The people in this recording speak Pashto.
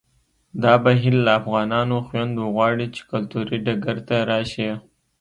دا بهیر له افغانو خویندو غواړي چې کلتوري ډګر ته راشي